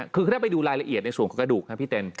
คือแค่ไปดูรายละเอียดในส่วนกระดูกนะพี่เต็น